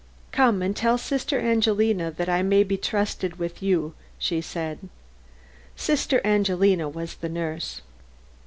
"Come and tell Sister Angelina that I may be trusted with you," she said. Sister Angelina was the nurse.